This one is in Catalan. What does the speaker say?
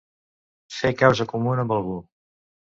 Fer causa comuna amb algú.